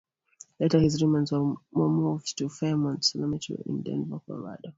Later, his remains were moved to Fairmount Cemetery in Denver, Colorado.